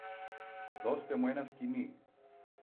Δώστε μου ένα σκοινί!